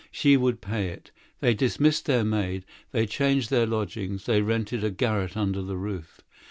She would pay it. They dismissed their servant; they changed their lodgings; they rented a garret under the roof.